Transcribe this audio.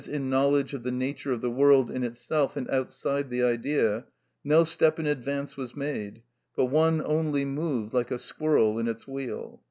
_, in knowledge of the nature of the world in itself and outside the idea, no step in advance was made, but one only moved like a squirrel in its wheel.